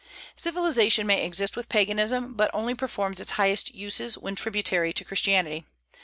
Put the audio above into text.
Civilization may exist with Paganism, but only performs its highest uses when tributary to Christianity.